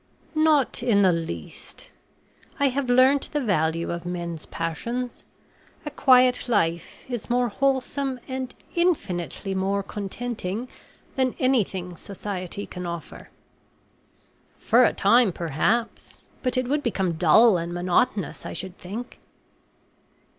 "Not in the least. I have learnt the value of men's passions. A quiet life is more wholesome and infinitely more contenting than anything society can offer." "For a time, perhaps; but it would become dull and monotonous, I should think."